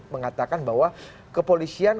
mengatakan bahwa kepolisian